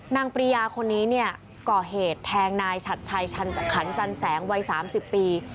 ปริยาคนนี้เนี่ยก่อเหตุแทงนายฉัดชัยชันขันจันแสงวัย๓๐ปี